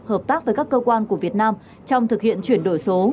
hợp tác với các cơ quan của việt nam trong thực hiện chuyển đổi số